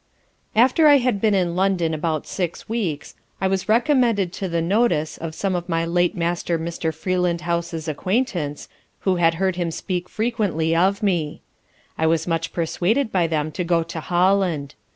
After I had been in London about six weeks I was recommended to the notice of some of my late Master Mr. Freelandhouse's acquaintance, who had heard him speak frequently of me. I was much persuaded by them to go to Holland.